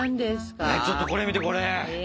ちょっとこれ見てこれ。